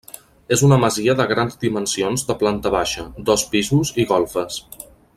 És una masia de grans dimensions de planta baixa, dos pisos i golfes.